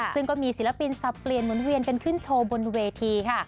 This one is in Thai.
ซึ่งก็มีศิลปินสับเปลี่ยนหมุนเวียนกันขึ้นโชว์บนเวทีค่ะ